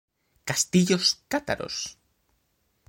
Castillos cátaros